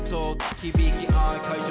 「響き合い会場